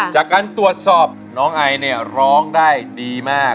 จากการตรวจสอบน้องไอเนี่ยร้องได้ดีมาก